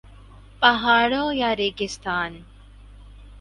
پہاڑ ہوں یا ریگستان